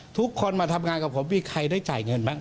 ทุกคนมาทำงานกับผมมีใครได้จ่ายเงินบ้าง